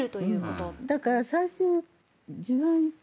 だから最終自分の。